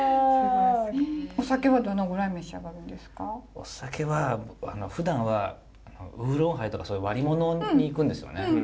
お酒はふだんはウーロンハイとかそういう割り物にいくんですよね。